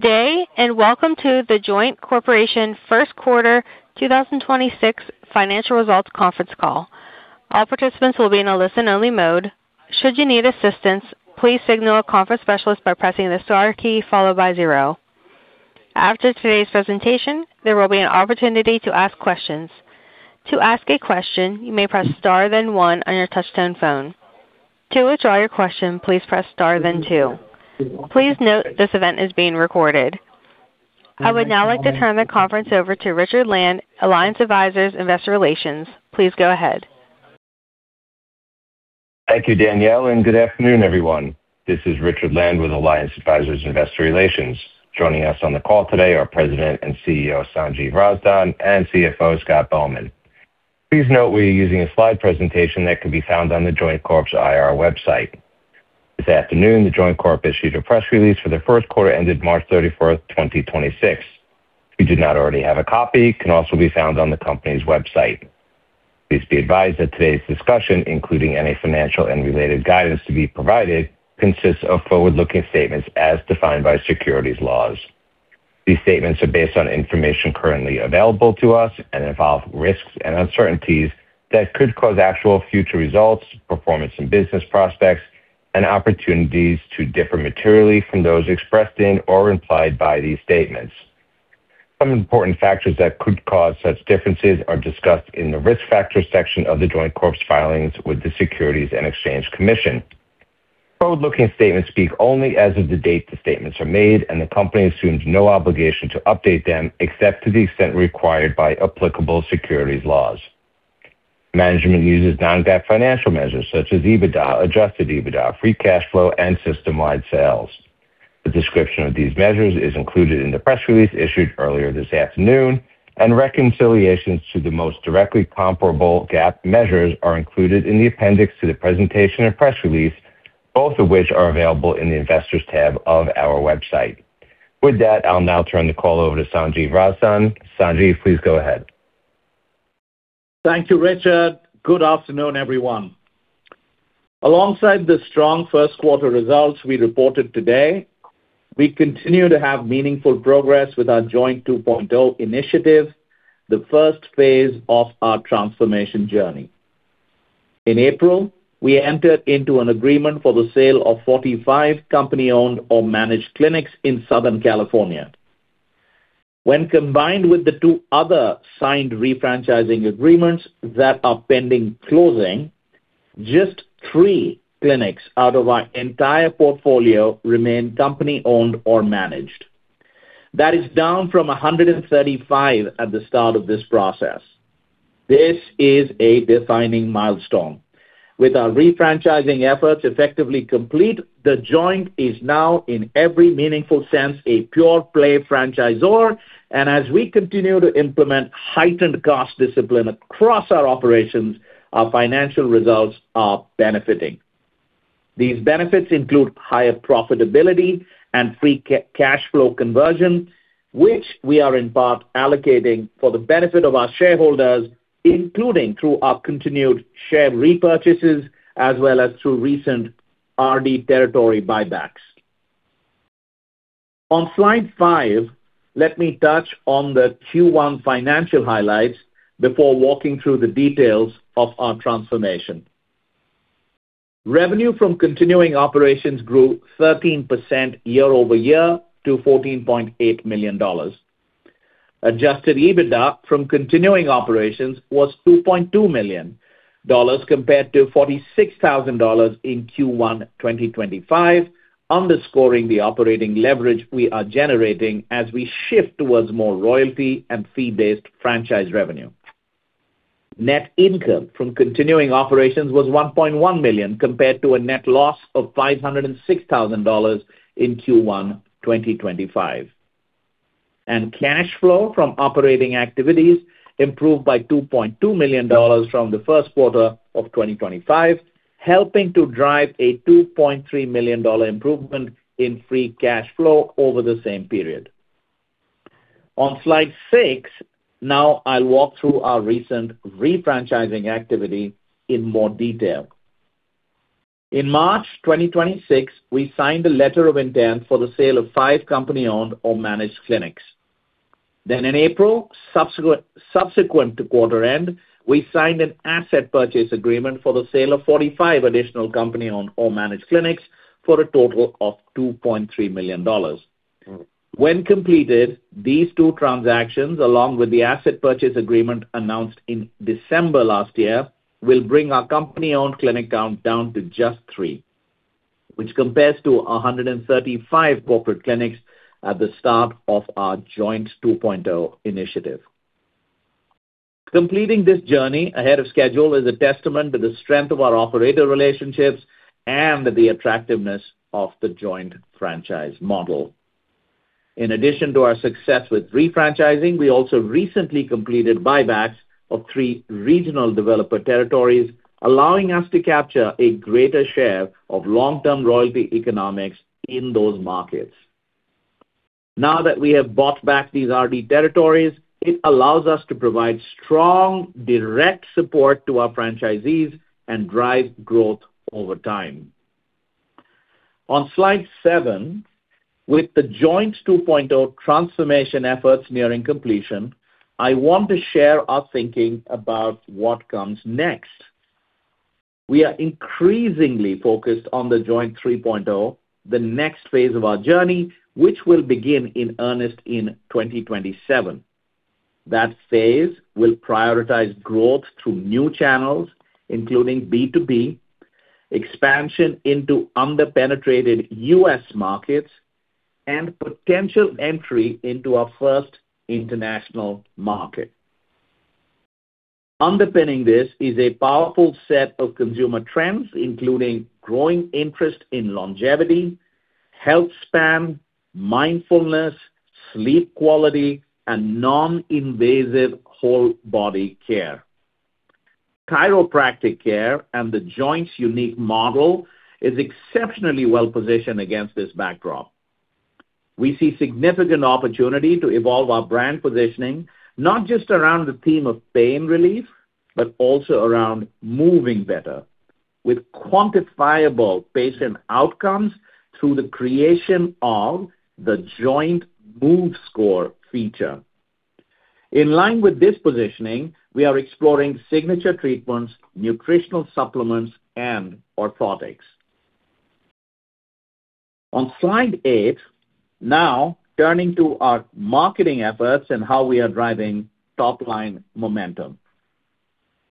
Day, and welcome to The Joint Corporation first quarter 2026 financial results conference call. After today's presentation, there will be an opportunity to ask questions. I would now like to turn the conference over to Richard Land, Alliance Advisors Investor Relations. Please go ahead. Thank you, Danielle, and good afternoon, everyone. This is Richard Land with Alliance Advisors Investor Relations. Joining us on the call today are President and CEO, Sanjiv Razdan, and CFO, Scott Bowman. Please note we are using a slide presentation that can be found on The Joint Corp.'s IR website. This afternoon, The Joint Corp. Issued a press release for the first quarter ended March 31, 2026. If you do not already have a copy, it can also be found on the company's website. Please be advised that today's discussion, including any financial and related guidance to be provided, consists of forward-looking statements as defined by securities laws. These statements are based on information currently available to us and involve risks and uncertainties that could cause actual future results, performance and business prospects and opportunities to differ materially from those expressed in or implied by these statements. Some important factors that could cause such differences are discussed in the Risk Factors section of The Joint Corp.'s filings with the Securities and Exchange Commission. Forward-looking statements speak only as of the date the statements are made, and the company assumes no obligation to update them, except to the extent required by applicable securities laws. Management uses non-GAAP financial measures such as EBITDA, adjusted EBITDA, free cash flow, and system-wide sales. The description of these measures is included in the press release issued earlier this afternoon, and reconciliations to the most directly comparable GAAP measures are included in the appendix to the presentation and press release, both of which are available in the Investors tab of our website. With that, I'll now turn the call over to Sanjiv Razdan. Sanjiv, please go ahead. Thank you, Richard. Good afternoon, everyone. Alongside the strong first quarter results we reported today, we continue to have meaningful progress with our Joint 2.0 initiative, the first phase of our transformation journey. In April, we entered into an agreement for the sale of 45 company-owned or managed clinics in Southern California. When combined with the two other signed refranchising agreements that are pending closing, just three clinics out of our entire portfolio remain company-owned or managed. That is down from 135 at the start of this process. This is a defining milestone. With our refranchising efforts effectively complete, The Joint is now, in every meaningful sense, a pure-play franchisor. As we continue to implement heightened cost discipline across our operations, our financial results are benefiting. These benefits include higher profitability and free cash flow conversion, which we are in part allocating for the benefit of our shareholders, including through our continued share repurchases as well as through recent RD territory buybacks. On slide five, let me touch on the Q1 financial highlights before walking through the details of our transformation. Revenue from continuing operations grew 13% year-over-year to $14.8 million. Adjusted EBITDA from continuing operations was $2.2 million compared to $46,000 in Q1 2025, underscoring the operating leverage we are generating as we shift towards more royalty and fee-based franchise revenue. Net income from continuing operations was $1.1 million compared to a net loss of $506,000 in Q1 2025. Cash flow from operating activities improved by $2.2 million from the first quarter of 2025, helping to drive a $2.3 million improvement in free cash flow over the same period. On slide six, now I'll walk through our recent refranchising activity in more detail. In March 2026, we signed a letter of intent for the sale of five company-owned or managed clinics. In April, subsequent to quarter end, we signed an asset purchase agreement for the sale of 45 additional company-owned or managed clinics for a total of $2.3 million. When completed, these two transactions, along with the asset purchase agreement announced in December last year, will bring our company-owned clinic count down to just three, which compares to 135 corporate clinics at the start of our Joint 2.0 initiative. Completing this journey ahead of schedule is a testament to the strength of our operator relationships and the attractiveness of The Joint franchise model. In addition to our success with refranchising, we also recently completed buybacks of three regional developer territories, allowing us to capture a greater share of long-term royalty economics in those markets. That we have bought back these RD territories, it allows us to provide strong direct support to our franchisees and drive growth over time. On slide seven, with The Joint 2.0 transformation efforts nearing completion, I want to share our thinking about what comes next. We are increasingly focused on The Joint 3.0, the next phase of our journey, which will begin in earnest in 2027. That phase will prioritize growth through new channels, including B2B, expansion into under-penetrated U.S. markets, and potential entry into our first international market. Underpinning this is a powerful set of consumer trends, including growing interest in longevity, health span, mindfulness, sleep quality, and non-invasive whole body care. Chiropractic care and The Joint's unique model is exceptionally well-positioned against this backdrop. We see significant opportunity to evolve our brand positioning, not just around the theme of pain relief, but also around moving better, with quantifiable patient outcomes through the creation of the Joint Move Score feature. In line with this positioning, we are exploring signature treatments, nutritional supplements, and orthotics. On slide eight, now turning to our marketing efforts and how we are driving top-line momentum.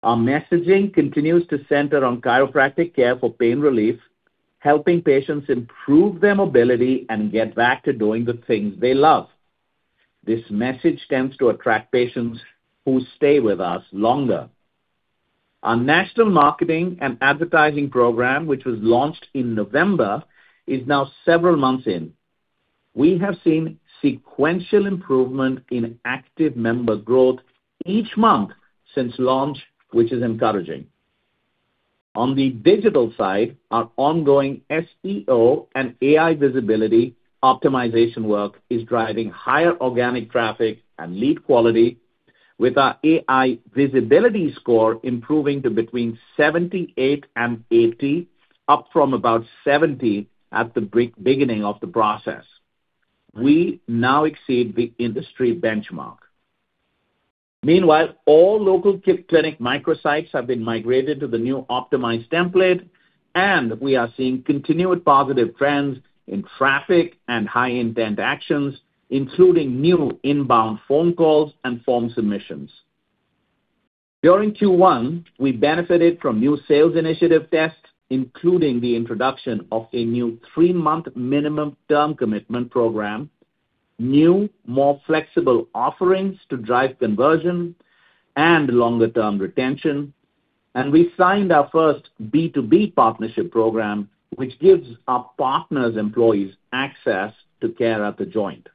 Our messaging continues to center on chiropractic care for pain relief, helping patients improve their mobility and get back to doing the things they love. This message tends to attract patients who stay with us longer. Our national marketing and advertising program, which was launched in November, is now several months in. We have seen sequential improvement in active member growth each month since launch, which is encouraging. On the digital side, our ongoing SEO and AI visibility optimization work is driving higher organic traffic and lead quality, with our AI visibility score improving to between 78 and 80, up from about 70 at the beginning of the process. We now exceed the industry benchmark. Meanwhile, all local clinic microsites have been migrated to the new optimized template, and we are seeing continued positive trends in traffic and high intent actions, including new inbound phone calls and form submissions. During Q1, we benefited from new sales initiative tests, including the introduction of a new three-month minimum term commitment program, new, more flexible offerings to drive conversion and longer-term retention, and we signed our first B2B partnership program, which gives our partners' employees access to care at The Joint.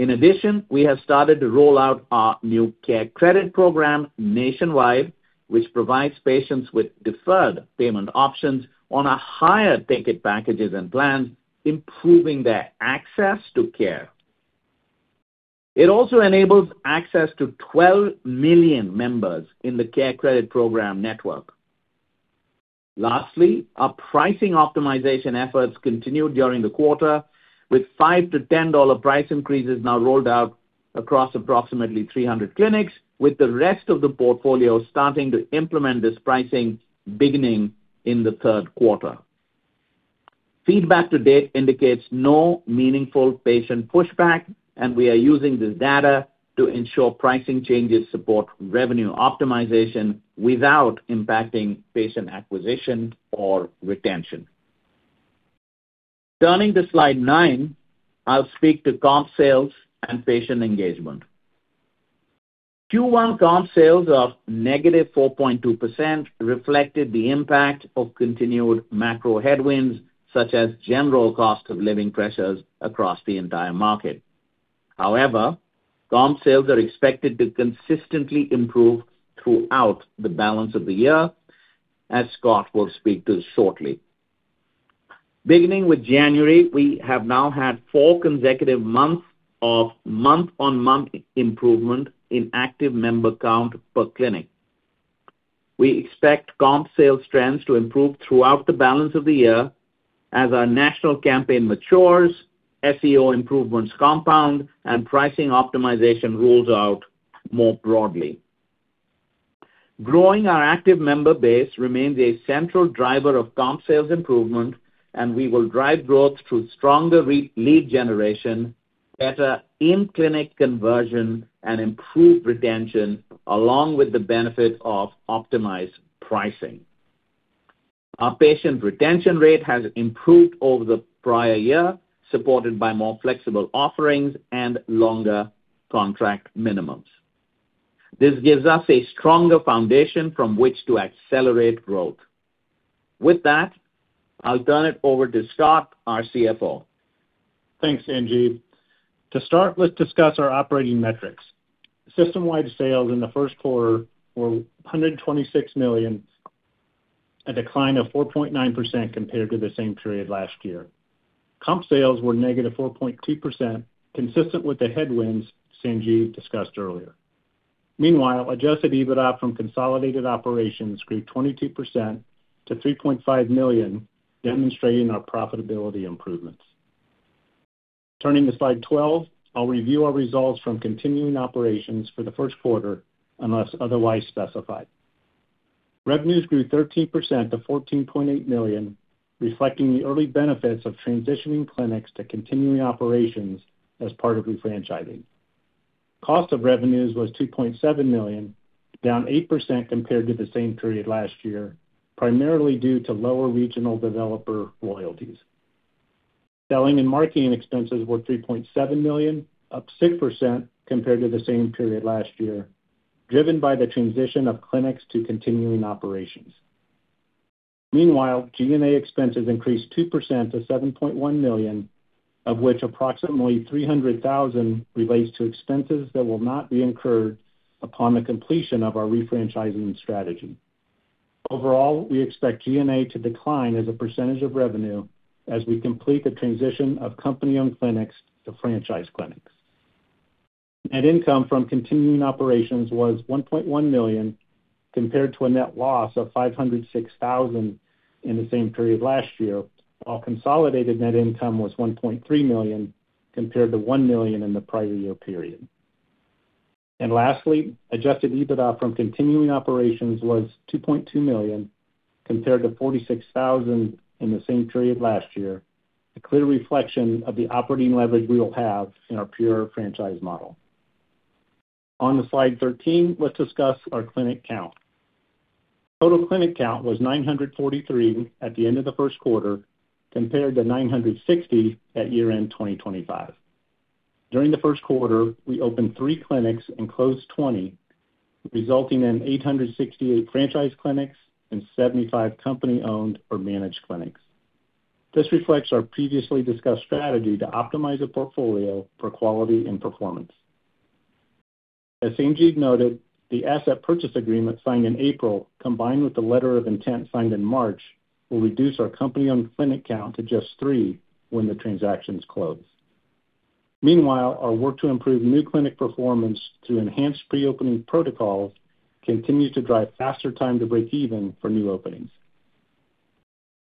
We have started to roll out our new CareCredit program nationwide, which provides patients with deferred payment options on our higher-ticket packages and plans, improving their access to care. It also enables access to 12 million members in the CareCredit program network. Our pricing optimization efforts continued during the quarter, with $5-$10 price increases now rolled out across approximately 300 clinics, with the rest of the portfolio starting to implement this pricing beginning in the third quarter. Feedback to date indicates no meaningful patient pushback, and we are using this data to ensure pricing changes support revenue optimization without impacting patient acquisition or retention. Turning to slide nine, I'll speak to comp sales and patient engagement. Q1 comp sales of -4.2% reflected the impact of continued macro headwinds, such as general cost of living pressures across the entire market. However, comp sales are expected to consistently improve throughout the balance of the year, as Scott will speak to shortly. Beginning with January, we have now had four consecutive months of month-on-month improvement in active member count per clinic. We expect comp sales trends to improve throughout the balance of the year as our national campaign matures, SEO improvements compound, and pricing optimization rolls out more broadly. Growing our active member base remains a central driver of comp sales improvement. We will drive growth through stronger lead generation, better in-clinic conversion, and improved retention, along with the benefit of optimized pricing. Our patient retention rate has improved over the prior year, supported by more flexible offerings and longer contract minimums. This gives us a stronger foundation from which to accelerate growth. With that, I'll turn it over to Scott, our CFO. Thanks, Sanjiv. To start, let's discuss our operating metrics. System-wide sales in the first quarter were $126 million, a decline of 4.9% compared to the same period last year. Comp sales were -4.2%, consistent with the headwinds Sanjiv discussed earlier. Meanwhile, adjusted EBITDA from consolidated operations grew 22% to $3.5 million, demonstrating our profitability improvements. Turning to slide 12, I'll review our results from continuing operations for the first quarter, unless otherwise specified. Revenues grew 13% to $14.8 million, reflecting the early benefits of transitioning clinics to continuing operations as part of refranchising. Cost of revenues was $2.7 million, down 8% compared to the same period last year, primarily due to lower regional developer royalties. Selling and marketing expenses were $3.7 million, up 6% compared to the same period last year, driven by the transition of clinics to continuing operations. Meanwhile, G&A expenses increased 2% to $7.1 million, of which approximately $300,000 relates to expenses that will not be incurred upon the completion of our refranchising strategy. Overall, we expect G&A to decline as a percentage of revenue as we complete the transition of company-owned clinics to franchise clinics. Net income from continuing operations was $1.1 million compared to a net loss of $506,000 in the same period last year, while consolidated net income was $1.3 million compared to $1 million in the prior year period. Lastly, adjusted EBITDA from continuing operations was $2.2 million compared to $46,000 in the same period last year, a clear reflection of the operating leverage we will have in our pure franchise model. On to slide 13, let's discuss our clinic count. Total clinic count was 943 at the end of the first quarter compared to 960 at year-end 2025. During the first quarter, we opened three clinics and closed 20, resulting in 868 franchise clinics and 75 company-owned or managed clinics. This reflects our previously discussed strategy to optimize the portfolio for quality and performance. As Sanjiv noted, the asset purchase agreement signed in April, combined with the letter of intent signed in March, will reduce our company-owned clinic count to just three when the transactions close. Meanwhile, our work to improve new clinic performance through enhanced pre-opening protocols continues to drive faster time to break even for new openings.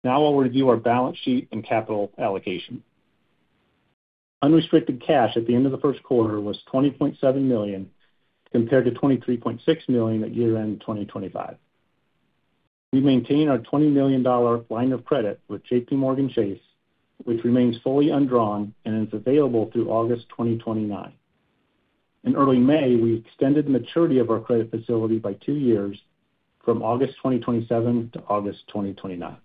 Now I'll review our balance sheet and capital allocation. Unrestricted cash at the end of the first quarter was $20.7 million, compared to $23.6 million at year-end 2025. We maintain our $20 million line of credit with JPMorgan Chase, which remains fully undrawn and is available through August 2029. In early May, we extended the maturity of our credit facility by two years from August 2027 to August 2029.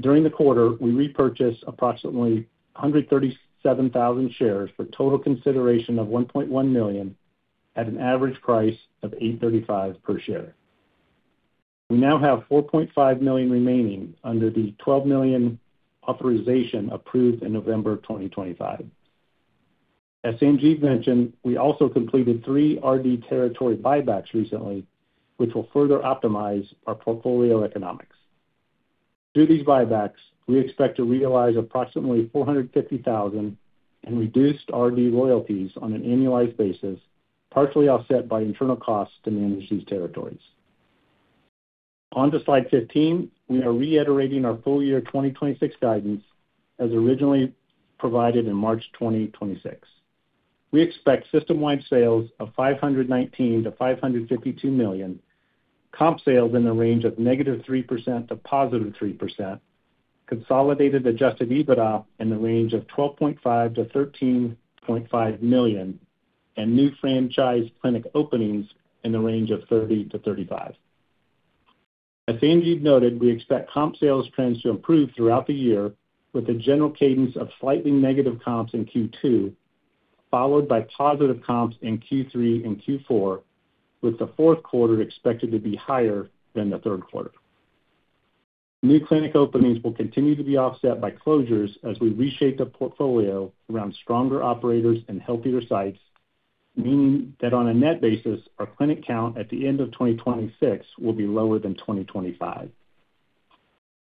During the quarter, we repurchased approximately 137,000 shares for total consideration of $1.1 million at an average price of $8.35 per share. We now have $4.5 million remaining under the $12 million authorization approved in November 2025. As Sanjiv mentioned, we also completed three RD territory buybacks recently, which will further optimize our portfolio economics. Through these buybacks, we expect to realize approximately $450,000 in reduced RD royalties on an annualized basis, partially offset by internal costs to manage these territories. On to slide 15, we are reiterating our full year 2026 guidance as originally provided in March 2026. We expect system-wide sales of $519 million-$552 million, comp sales in the range of -3% to +3%, consolidated adjusted EBITDA in the range of $12.5 million-$13.5 million, and new franchise clinic openings in the range of 30-35. As Sanjiv noted, we expect comp sales trends to improve throughout the year with a general cadence of slightly negative comps in Q2, followed by positive comps in Q3 and Q4, with the fourth quarter expected to be higher than the third quarter. New clinic openings will continue to be offset by closures as we reshape the portfolio around stronger operators and healthier sites, meaning that on a net basis, our clinic count at the end of 2026 will be lower than 2025.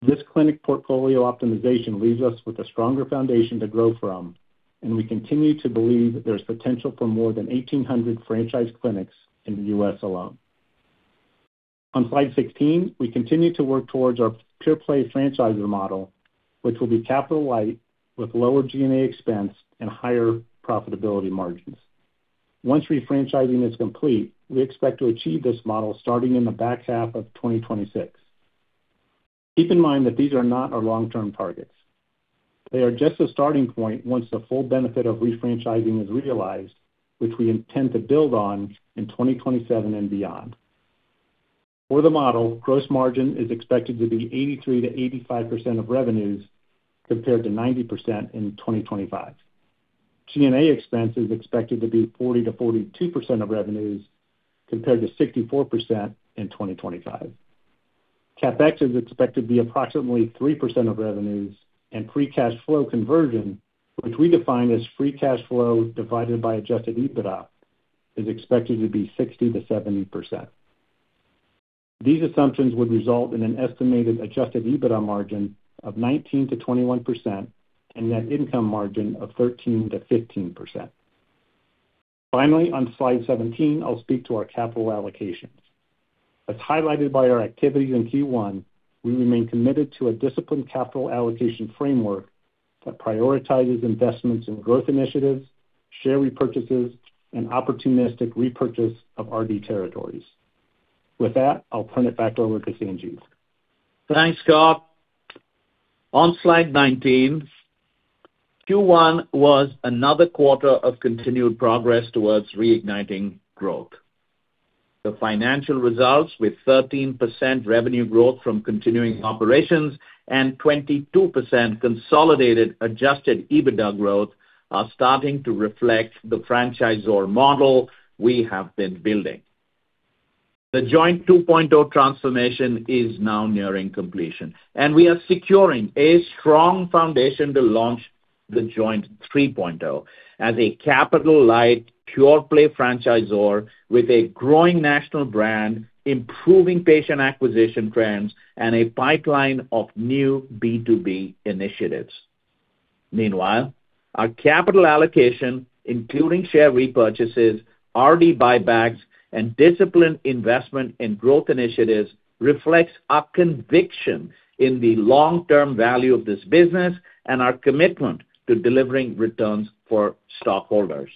This clinic portfolio optimization leaves us with a stronger foundation to grow from, and we continue to believe there's potential for more than 1,800 franchise clinics in the U.S. alone. On slide 16, we continue to work towards our pure-play franchisor model, which will be capital light with lower G&A expense and higher profitability margins. Once refranchising is complete, we expect to achieve this model starting in the back half of 2026. Keep in mind that these are not our long-term targets. They are just a starting point once the full benefit of refranchising is realized, which we intend to build on in 2027 and beyond. For the model, gross margin is expected to be 83%-85% of revenues compared to 90% in 2025. G&A expense is expected to be 40%-42% of revenues compared to 64% in 2025. CapEx is expected to be approximately 3% of revenues, and free cash flow conversion, which we define as free cash flow divided by adjusted EBITDA, is expected to be 60%-70%. These assumptions would result in an estimated adjusted EBITDA margin of 19%-21% and net income margin of 13%-15%. Finally, on slide 17, I'll speak to our capital allocations. As highlighted by our activities in Q1, we remain committed to a disciplined capital allocation framework that prioritizes investments in growth initiatives, share repurchases, and opportunistic repurchase of RD territories. With that, I'll turn it back over to Sanjiv. Thanks, Scott. On slide 19, Q1 was another quarter of continued progress towards reigniting growth. The financial results with 13% revenue growth from continuing operations and 22% consolidated adjusted EBITDA growth are starting to reflect the franchisor model we have been building. The Joint 2.0 transformation is now nearing completion, and we are securing a strong foundation to launch The Joint 3.0 as a capital-light, pure-play franchisor with a growing national brand, improving patient acquisition trends, and a pipeline of new B2B initiatives. Meanwhile, our capital allocation, including share repurchases, RD buybacks, and disciplined investment in growth initiatives, reflects our conviction in the long-term value of this business and our commitment to delivering returns for stockholders.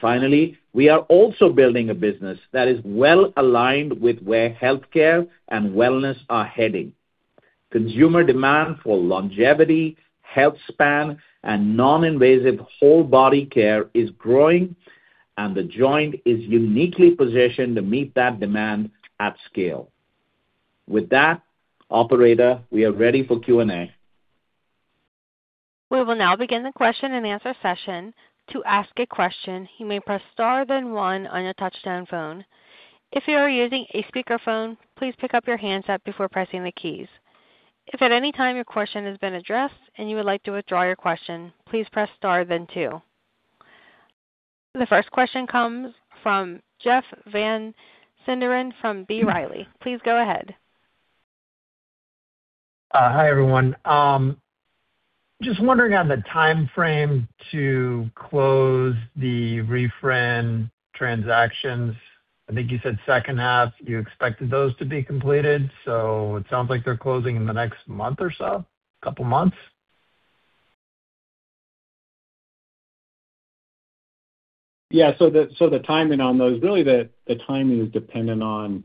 Finally, we are also building a business that is well-aligned with where healthcare and wellness are heading. Consumer demand for longevity, health span, and non-invasive whole body care is growing, and The Joint is uniquely positioned to meet that demand at scale. With that, operator, we are ready for Q&A. We will now begin the question-and-answer session. The first question comes from Jeff Van Sinderen from B. Riley. Please go ahead. Hi, everyone. Just wondering on the timeframe to close the franchise transactions. I think you said second half you expected those to be completed, so it sounds like they're closing in the next month or so, couple months? Yeah. The timing on those, really the timing is dependent on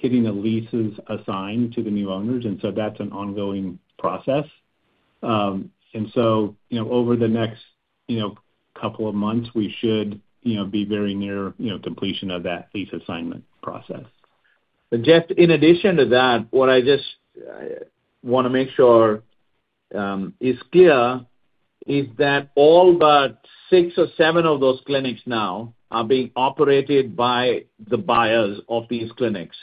getting the leases assigned to the new owners. That's an ongoing process. Over the next, you know, couple of months, we should, you know, be very near, you know, completion of that lease assignment process. Jeff, in addition to that, what I just wanna make sure is clear is that all but six or seven of those clinics now are being operated by the buyers of these clinics.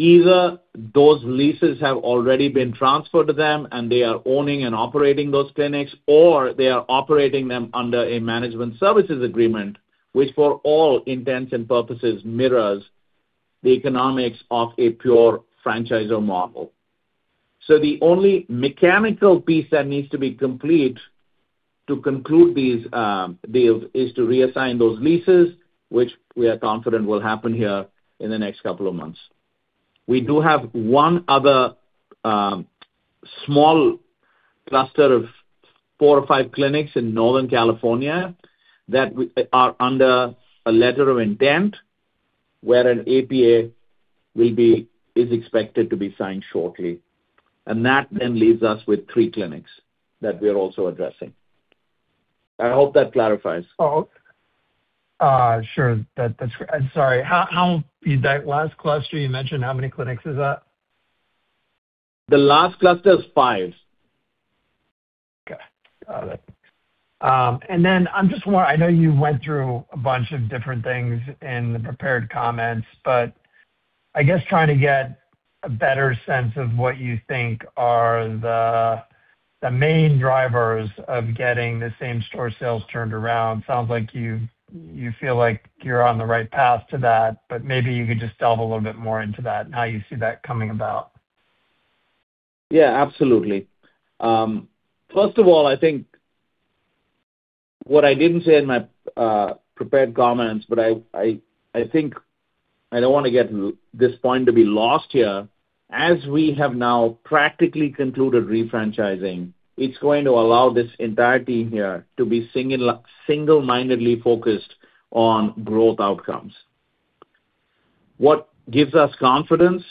Either those leases have already been transferred to them, and they are owning and operating those clinics, or they are operating them under a management services agreement, which for all intents and purposes mirrors the economics of a pure franchisor model. The only mechanical piece that needs to be complete to conclude these deals is to reassign those leases, which we are confident will happen here in the next couple of months. We do have one other small cluster of four or five clinics in Northern California that are under a letter of intent, where an APA is expected to be signed shortly. That then leaves us with three clinics that we're also addressing. I hope that clarifies. Sure. I'm sorry. How that last cluster you mentioned, how many clinics is that? The last cluster is five. Okay. Got it. I'm just I know you went through a bunch of different things in the prepared comments, but I guess trying to get a better sense of what you think are the main drivers of getting the same-store sales turned around. Sounds like you feel like you're on the right path to that, but maybe you could just delve a little bit more into that and how you see that coming about. Yeah, absolutely. First of all, I think what I didn't say in my prepared comments, but I think I don't wanna get this point to be lost here. As we have now practically concluded refranchising, it's going to allow this entire team here to be single-mindedly focused on growth outcomes. What gives us confidence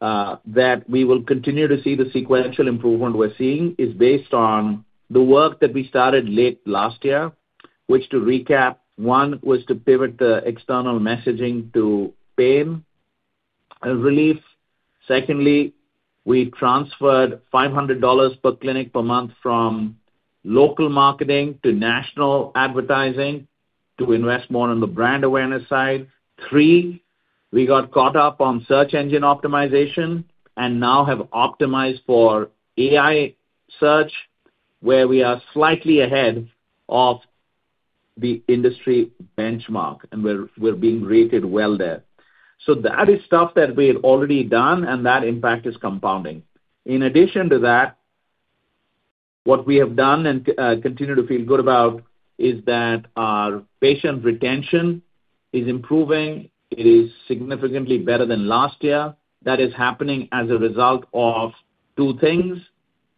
that we will continue to see the sequential improvement we're seeing is based on the work that we started late last year, which to recap, one, was to pivot the external messaging to pain relief. Secondly, we transferred $500 per clinic per month from local marketing to national advertising to invest more on the brand awareness side. Three, we got caught up on search engine optimization and now have optimized for AI search, where we are slightly ahead of the industry benchmark, and we're being rated well there. That is stuff that we had already done, and that impact is compounding. In addition to that, what we have done and continue to feel good about is that our patient retention is improving. It is significantly better than last year. That is happening as a result of two things.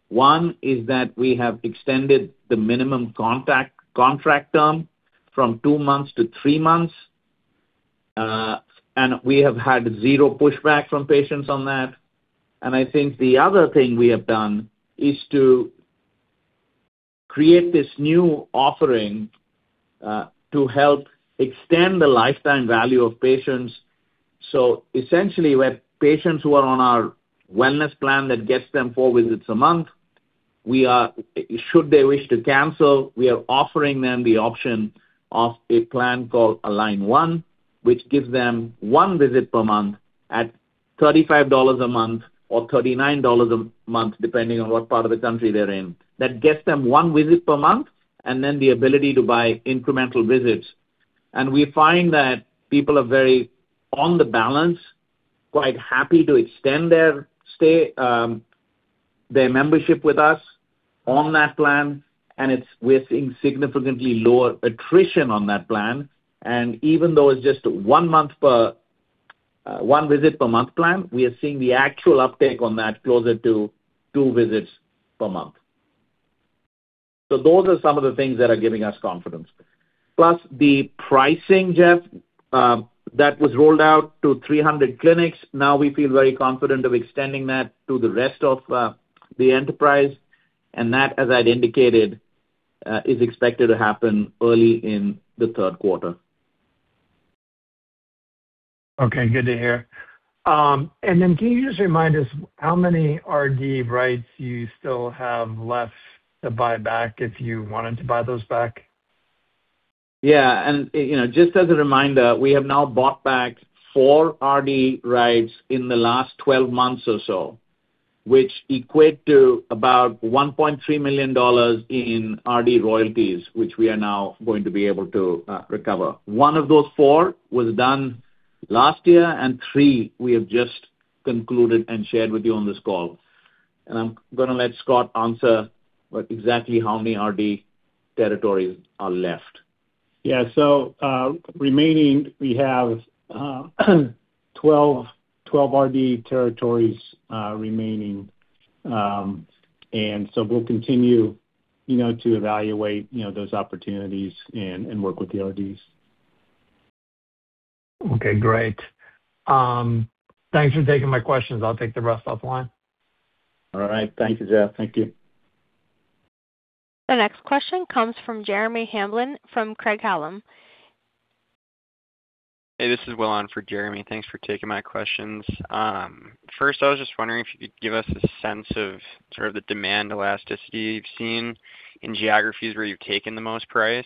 One is that we have extended the minimum contract term from two months to three months, and we have had zero pushback from patients on that. I think the other thing we have done is to create this new offering to help extend the lifetime value of patients. Essentially, where patients who are on our wellness plan that gets them four visits a month, should they wish to cancel, we are offering them the option of a plan called Align One, which gives them one visit per month at $35 a month or $39 a month, depending on what part of the country they're in. That gets them one visit per month and then the ability to buy incremental visits. We find that people are very, on the balance, quite happy to extend their stay, their membership with us on that plan, and we're seeing significantly lower attrition on that plan. Even though it's just one visit per month plan, we are seeing the actual uptake on that closer to two visits per month. Those are some of the things that are giving us confidence. Plus the pricing, Jeff, that was rolled out to 300 clinics, now we feel very confident of extending that to the rest of the enterprise. That, as I'd indicated, is expected to happen early in the third quarter. Okay, good to hear. Can you just remind us how many RD rights you still have left to buy back if you wanted to buy those back? Yeah. You know, just as a reminder, we have now bought back four RD rights in the last 12 months or so, which equate to about $1.3 million in RD royalties, which we are now going to be able to recover. One of those four was done last year, and three we have just concluded and shared with you on this call. I'm gonna let Scott answer what exactly how many RD territories are left. Yeah. Remaining, we have 12 RD territories remaining. We'll continue, you know, to evaluate, you know, those opportunities and work with the RDs. Okay, great. Thanks for taking my questions. I'll take the rest offline. All right. Thank you, Jeff. Thank you. The next question comes from Jeremy Hamblin from Craig-Hallum. Hey, this is Will on for Jeremy. Thanks for taking my questions. First, I was just wondering if you could give us a sense of sort of the demand elasticity you've seen in geographies where you've taken the most price.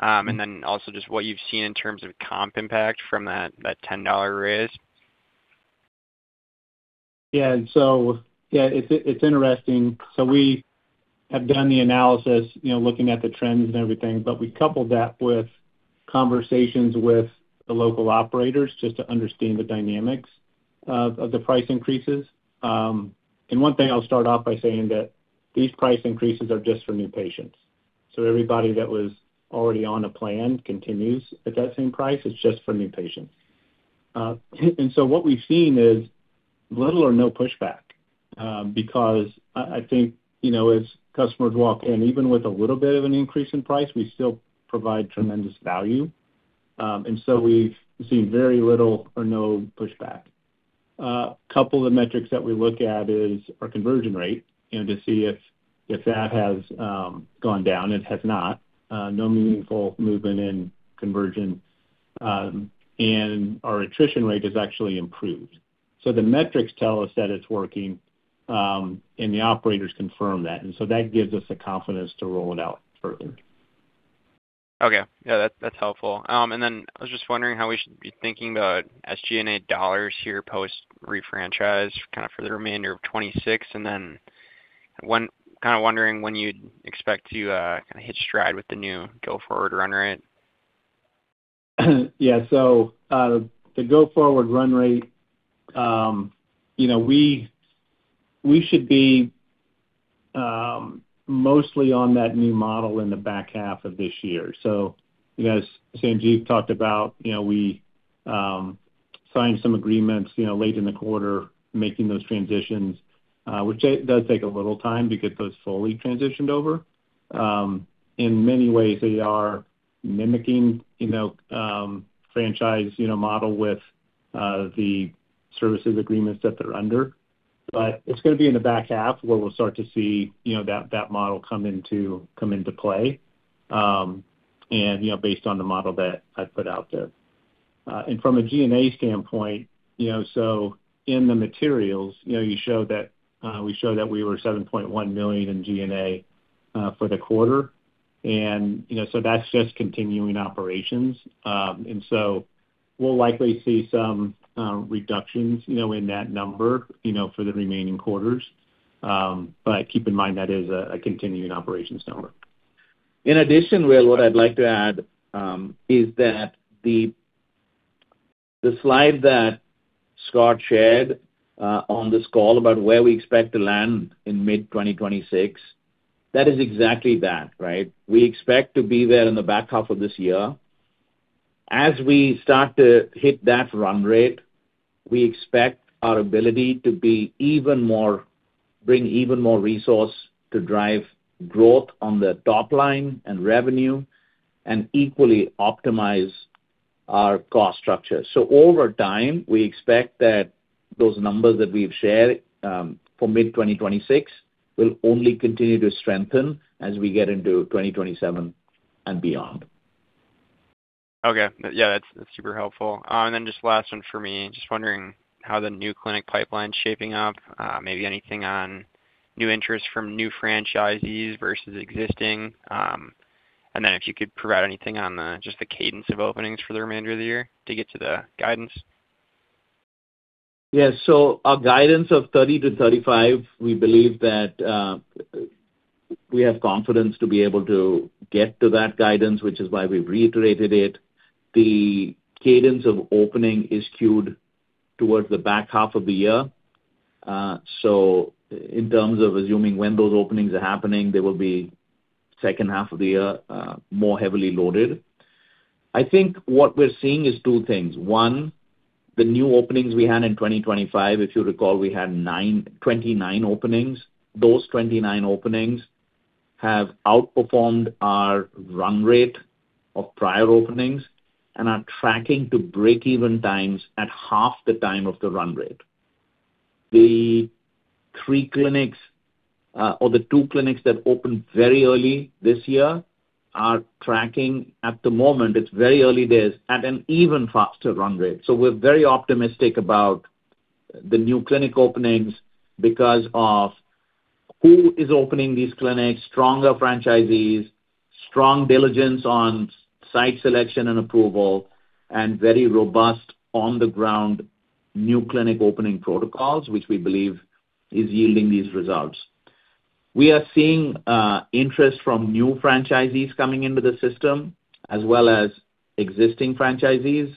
Also just what you've seen in terms of comp impact from that $10 raise. Yeah. It's interesting. We have done the analysis, you know, looking at the trends and everything, but we coupled that with conversations with the local operators just to understand the dynamics of the price increases. One thing I'll start off by saying that these price increases are just for new patients. Everybody that was already on a plan continues at that same price. It's just for new patients. What we've seen is little or no pushback, because I think, you know, as customers walk in, even with a little bit of an increase in price, we still provide tremendous value. We've seen very little or no pushback. Couple of the metrics that we look at is our conversion rate and to see if that has gone down. It has not. No meaningful movement in conversion. Our attrition rate has actually improved. The metrics tell us that it's working, and the operators confirm that. That gives us the confidence to roll it out further. Okay. Yeah, that's helpful. I was just wondering how we should be thinking about SG&A dollars here post refranchise, kind of for the remainder of 2026. I was kind of wondering when you'd expect to kind of hit stride with the new go-forward run rate. Yeah. The go-forward run rate, you know, we should be mostly on that new model in the back half of this year. As Sanjiv talked about, you know, we signed some agreements, you know, late in the quarter making those transitions, which it does take a little time to get those fully transitioned over. In many ways, they are mimicking, you know, franchise, you know, model with the services agreements that they're under. It's gonna be in the back half where we'll start to see, you know, that model come into, come into play, and, you know, based on the model that I put out there. From a G&A standpoint, you know, in the materials, you know, you show that we show that we were $7.1 million in G&A for the quarter. You know, that's just continuing operations. We'll likely see some reductions, you know, in that number, you know, for the remaining quarters. Keep in mind, that is a continuing operations number. In addition, Will, what I'd like to add, is that the slide that Scott shared on this call about where we expect to land in mid-2026, that is exactly that, right? We expect to be there in the back half of this year. As we start to hit that run rate, we expect our ability to bring even more resource to drive growth on the top line and revenue and equally optimize our cost structure. Over time, we expect that those numbers that we've shared for mid-2026 will only continue to strengthen as we get into 2027 and beyond. Okay. Yeah, that's super helpful. Just last one for me. Just wondering how the new clinic pipeline is shaping up. Maybe anything on new interest from new franchisees versus existing. If you could provide anything on just the cadence of openings for the remainder of the year to get to the guidance. Our guidance of 30-35, we believe that we have confidence to be able to get to that guidance, which is why we've reiterated it. The cadence of opening is skewed towards the back half of the year. In terms of assuming when those openings are happening, they will be second half of the year, more heavily loaded. I think what we're seeing is two things. One, the new openings we had in 2025, if you recall, we had 29 openings. Those 29 openings have outperformed our run rate of prior openings and are tracking to breakeven times at half the time of the run rate. The three clinics, or the two clinics that opened very early this year are tracking at the moment, it's very early days, at an even faster run rate. We are very optimistic about the new clinic openings because of who is opening these clinics, stronger franchisees, strong diligence on site selection and approval, and very robust on the ground new clinic opening protocols, which we believe is yielding these results. We are seeing interest from new franchisees coming into the system as well as existing franchisees.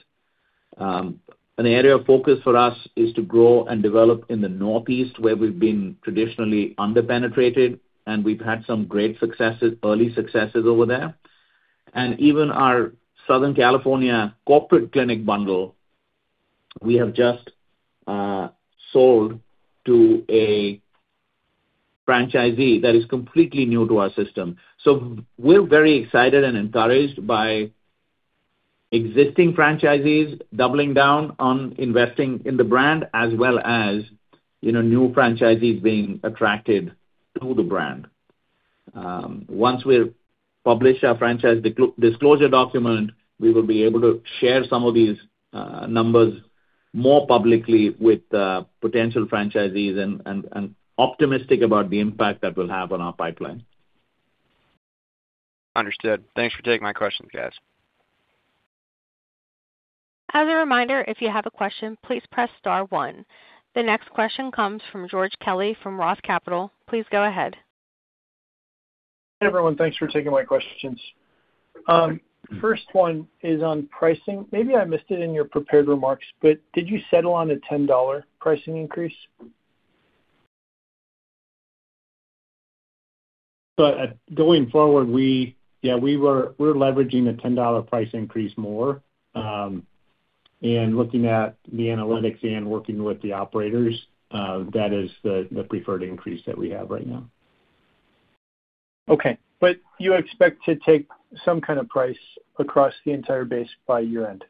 An area of focus for us is to grow and develop in the Northeast, where we have been traditionally under-penetrated, and we have had some great successes, early successes over there. Even our Southern California corporate clinic bundle, we have just sold to a franchisee that is completely new to our system. We are very excited and encouraged by existing franchisees doubling down on investing in the brand as well as, you know, new franchisees being attracted to the brand. Once we publish our Franchise Disclosure Document, we will be able to share some of these numbers more publicly with potential franchisees and optimistic about the impact that will have on our pipeline. Understood. Thanks for taking my questions, guys. The next question comes from George Kelly from ROTH Capital Partners. Please go ahead. Hey, everyone. Thanks for taking my questions. First one is on pricing. Maybe I missed it in your prepared remarks, but did you settle on a $10 pricing increase? Going forward, we're leveraging the $10 price increase more. And looking at the analytics and working with the operators, that is the preferred increase that we have right now. Okay. You expect to take some kind of price across the entire base by year-end,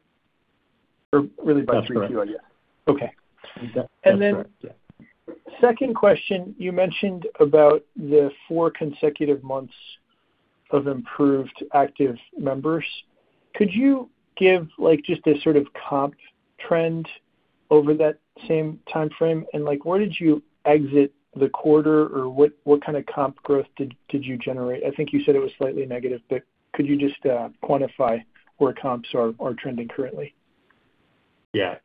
or really by 3Q idea? That's correct. Okay. That's correct. Yeah. Second question, you mentioned about the four consecutive months of improved active members. Could you give just a sort of comp trend over that same timeframe? Where did you exit the quarter, or what kind of comp growth did you generate? I think you said it was slightly negative, could you just quantify where comps are trending currently? Yeah.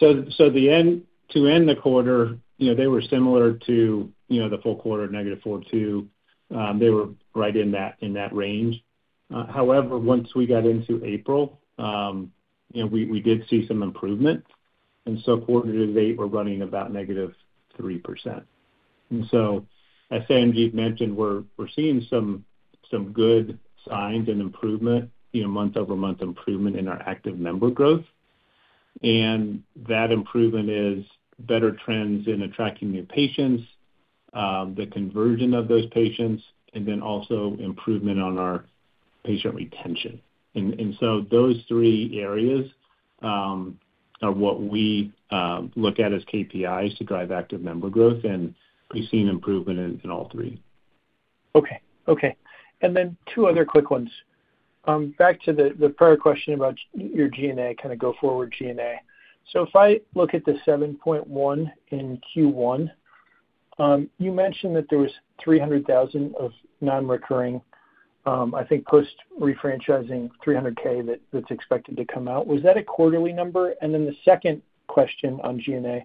To end the quarter, you know, they were similar to, you know, the full quarter -4.2%. They were right in that range. However, once we got into April, you know, we did see some improvement. Quarter to date, we're running about -3%. As Sanjiv Razdan mentioned, we're seeing some good signs and improvement, you know, month-over-month improvement in our active member growth. That improvement is better trends in attracting new patients, the conversion of those patients, also improvement on our patient retention. Those three areas are what we look at as KPIs to drive active member growth, and we're seeing improvement in all three. Okay. Okay. Two other quick ones. Back to the prior question about your G&A, kinda go forward G&A. If I look at the $7.1 million in Q1, you mentioned that there was $300,000 of non-recurring. I think post refranchising $300,000 that's expected to come out. Was that a quarterly number? The second question on G&A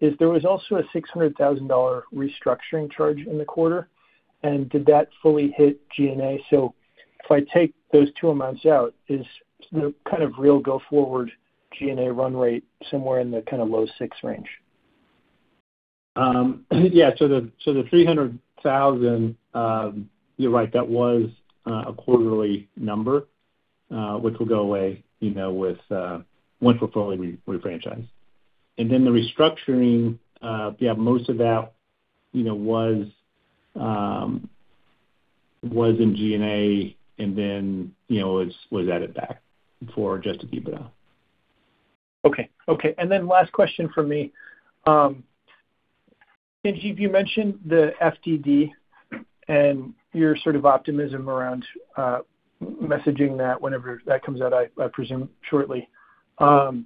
is there was also a $600,000 restructuring charge in the quarter, and did that fully hit G&A? If I take those two amounts out, is the kinda real go forward G&A run rate somewhere in the kinda low $6 million range? Yeah. The $300,000, you're right, that was a quarterly number, which will go away, you know, with one portfolio refranchise. The restructuring, yeah, most of that, you know, was in G&A and then, you know, was added back for adjusted EBITDA. Okay. Okay. Then last question from me. Sanjiv, you mentioned the FDD and your sort of optimism around messaging that whenever that comes out, I presume shortly. If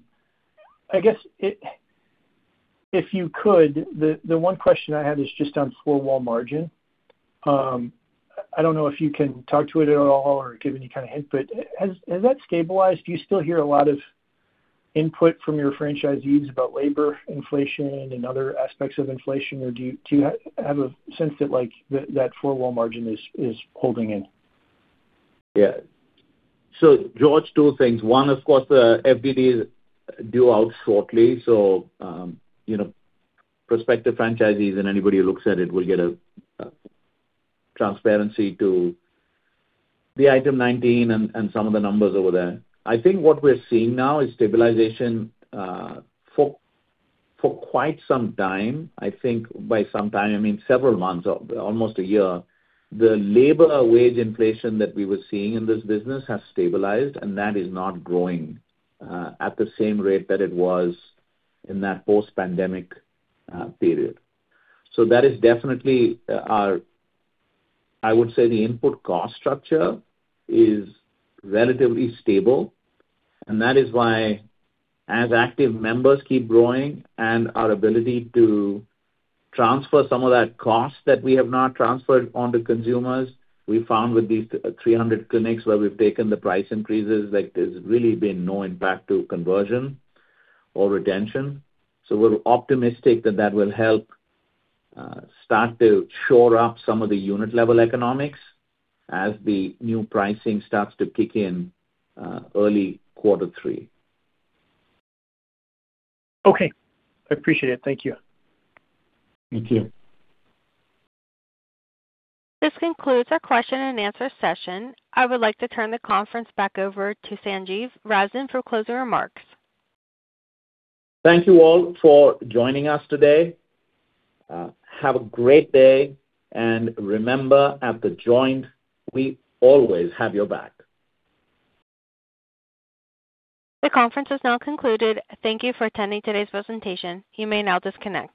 you could, the one question I had is just on four-wall margin. I don't know if you can talk to it at all or give any kind of hint, but has that stabilized? Do you still hear a lot of input from your franchisees about labor inflation and other aspects of inflation? Or do you have a sense that, like, that four-wall margin is holding in? Yeah. George, two things. One, of course, the FDD is due out shortly, so, you know, prospective franchisees and anybody who looks at it will get a transparency to the Item 19 and some of the numbers over there. I think what we're seeing now is stabilization for quite some time. I think by some time, I mean several months, almost a year. The labor wage inflation that we were seeing in this business has stabilized, and that is not growing at the same rate that it was in that post-pandemic period. That is definitely, our I would say the input cost structure is relatively stable, and that is why as active members keep growing and our ability to transfer some of that cost that we have not transferred onto consumers, we found with these 300 clinics where we've taken the price increases, like there's really been no impact to conversion or retention. We're optimistic that that will help, start to shore up some of the unit level economics as the new pricing starts to kick in, early quarter three. Okay. I appreciate it. Thank you. Thank you. This concludes our question and answer session. I would like to turn the conference back over to Sanjiv Razdan for closing remarks. Thank you all for joining us today. Have a great day. Remember, at The Joint, we always have your back. The conference is now concluded. Thank you for attending today's presentation. You may now disconnect.